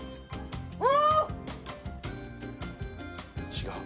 違う？